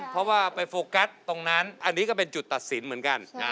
เพราะว่าไปโฟกัสตรงนั้นอันนี้ก็เป็นจุดตัดสินเหมือนกัน